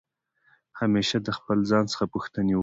همېشه د خپل ځان څخه پوښتني وکړئ.